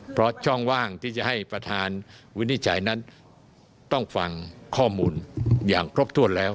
เพราะช่องว่างที่จะให้ประธานวินิจฉัยนั้นต้องฟังข้อมูลอย่างครบถ้วนแล้ว